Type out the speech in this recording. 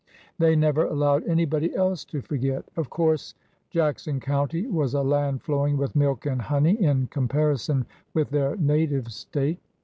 They never allowed anybody else to forget. Of course, Jackson County was a land flow ing with milk and honey in comparison with their native State.